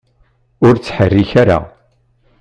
Ur ttḥerrik ara!